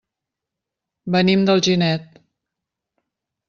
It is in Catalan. Venim d'Alginet.